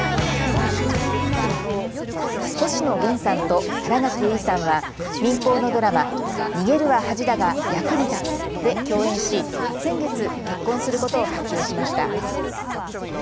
星野源さんと新垣結衣さんは民放のドラマ、逃げるは恥だが役に立つで共演し先月、結婚することを発表しました。